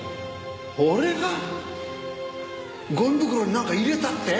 俺がゴミ袋になんか入れたって？